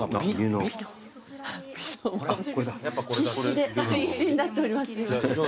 必死で必死になっております。